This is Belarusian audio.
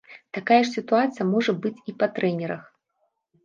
Такая ж сітуацыя можа быць і па трэнерах.